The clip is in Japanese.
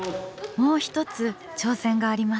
もう一つ挑戦があります。